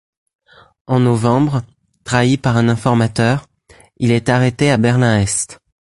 En novembre, trahi par un informateur, il est arrêté à Berlin-Est.